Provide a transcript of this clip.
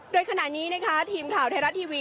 โดยขณะนี้นะคะทีมข่าวไทยรัฐทีวี